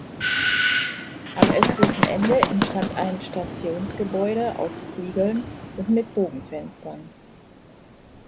Am östlichen Ende entstand ein Stationsgebäude aus Ziegeln und mit Bogenfenstern.